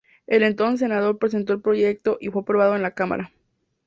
El entonces Senador presentó el Proyecto, y fue aprobado en la Cámara.